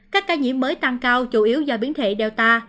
các ca nhiễm mới tăng cao chủ yếu do biến thể data